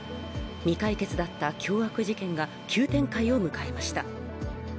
未解決だった凶悪事件が急展開を迎えました。